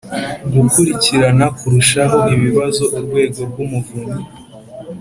gukurikirana kurushaho ibibazo urwego rw’umuvunyi